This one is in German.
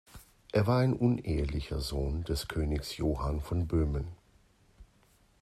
Er war ein unehelicher Sohn des Königs Johann von Böhmen.